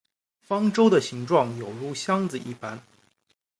方舟的形状有如箱子一般。